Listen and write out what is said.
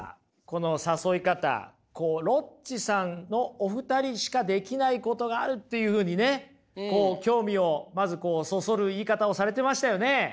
この誘い方ロッチさんのお二人しかできないことがあるっていうふうにね興味をまずそそる言い方をされてましたよね。